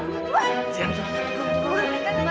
suami suami ibu siapa